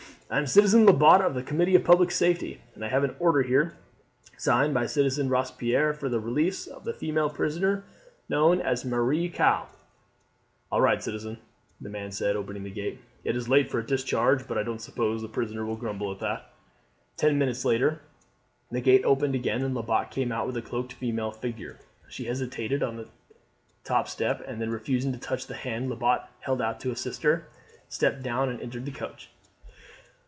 "I am Citizen Lebat of the Committee of Public Safety, and I have an order here, signed by Citizen Robespierre, for the release of the female prisoner known as Marie Caux." "All right, citizen!" the man said, opening the gate. "It is late for a discharge; but I don't suppose the prisoner will grumble at that." Ten minutes later the gate opened again and Lebat came out with a cloaked female figure. She hesitated on the top step, and then refusing to touch the hand Lebat held out to assist her, stepped down and entered the coach.